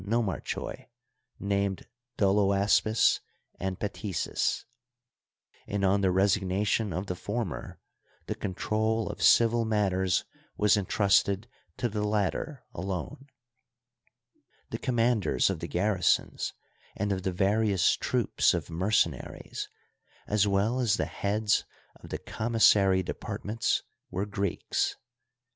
nomarchoi named Doloaspis and Pettsts, and on the resignation of the former the control of civil matters was intrusted to the latter alone. The commanders of the garrisons and of the various troops of mercenaries, as well as the heads of the commissary departments, were Greeks.